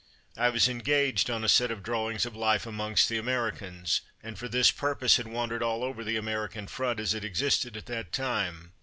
I was engaged on a set of drawings of life amongst the Americans, and for this purpose had wandered all over the American front as it existed at that time.